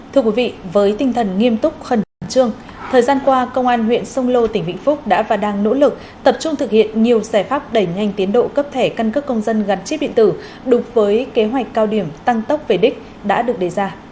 thưa quý vị với tinh thần nghiêm túc khẩn trương thời gian qua công an huyện sông lô tỉnh vĩnh phúc đã và đang nỗ lực tập trung thực hiện nhiều giải pháp đẩy nhanh tiến độ cấp thẻ căn cước công dân gắn chip điện tử đúng với kế hoạch cao điểm tăng tốc về đích đã được đề ra